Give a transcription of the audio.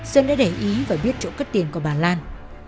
sơn đã để ý và biết chỗ cất tiền của bà lan